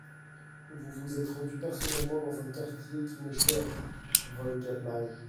Vous vous êtes rendu personnellement dans un quartier qui m’est cher, Volga-Plage.